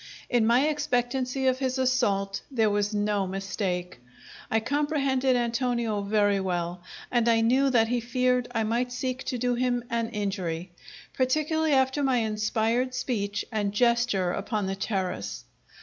In my expectancy of his assault there was no mistake. I comprehended Antonio very well, and I knew that he feared I might seek to do him an injury, particularly after my inspired speech and gesture upon the terrace.